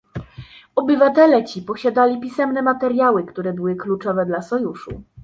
obywatele ci posiadali pisemne materiały, które były kluczowe dla Sojuszu